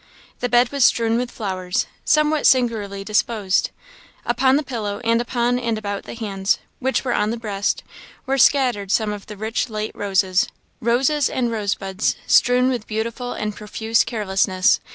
The bed was strewn with flowers, somewhat singularly disposed. Upon the pillow, and upon and about the hands, which were on the breast, were scattered some of the rich late roses roses and rose buds, strewn with beautiful and profuse carelessness.